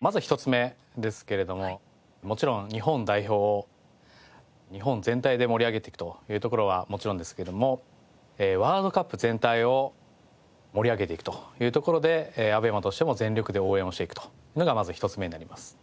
まずは１つ目ですけれどももちろん日本代表を日本全体で盛り上げていくというところはもちろんですけどもワールドカップ全体を盛り上げていくというところでＡＢＥＭＡとしても全力で応援をしていくというのがまず１つ目になります。